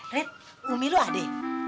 red umi lo adik